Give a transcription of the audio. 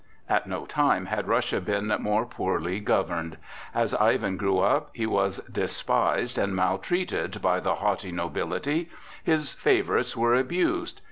At no time had Russia been more poorly governed. As Ivan grew up, he was despised and maltreated by the haughty nobility; his favorites were abused.